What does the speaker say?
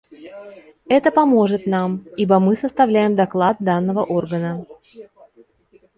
Это поможет нам, ибо мы составляем доклад данного органа.